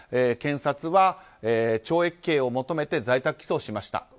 検察は懲役刑を求めて在宅起訴しました。